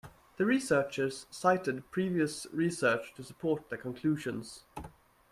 The researchers cited previous research to support their conclusions.